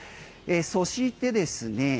そしてですね